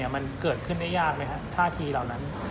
มันเกิดขึ้นได้ยากไหมครับท่าทีเหล่านั้น